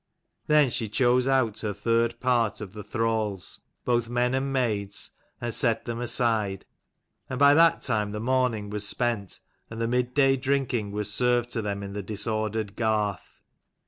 Then she chose out her third part of the thralls, both men and maids, and set them aside. And by that time the morning was spent, and the mid day drinking was served to them in the disordered garth.